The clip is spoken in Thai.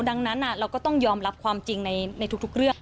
ดังนั้นเราก็ต้องยอมรับความจริงในทุกเรื่อง